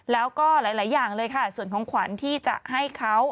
แล้วก็หลายอย่างเลยค่ะส่วนของขวัญที่จะให้เขา